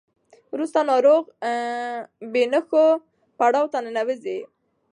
وروسته ناروغ بې نښو پړاو ته ننوځي.